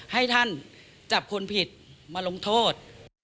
ให้ท่านจับคนผิดมาลงโทษ